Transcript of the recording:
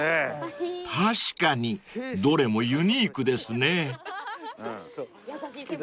［確かにどれもユニークですね］